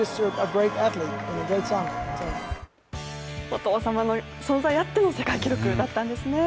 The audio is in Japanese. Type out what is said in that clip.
お父様の存在あっての世界記録だったんですね。